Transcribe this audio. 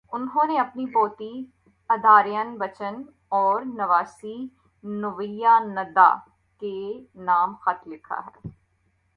انہوں نے اپنی پوتی ارادھیابچن اور نواسی نیویا ننداکے نام خط لکھا ہے۔